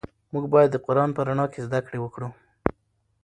موږ باید د قرآن په رڼا کې زده کړې وکړو.